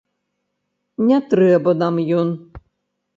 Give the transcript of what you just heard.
Не трэба нам ён.